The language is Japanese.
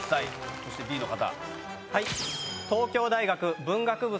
そしてＣの方。